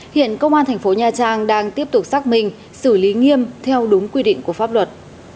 hiện công an thành phố nha trang đang tiếp tục xác minh xử lý nghiêm theo đúng quy định của pháp luật